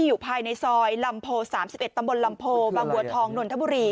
อยู่ภายในซอยลำโพ๓๑ตำบลลำโพบางบัวทองนนทบุรี